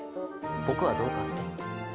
僕はどうかって？